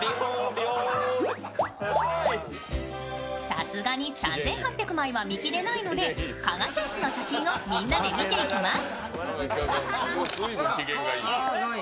さすがに３８００枚は見切れないので加賀チョイスの写真をみんなで見ていきます。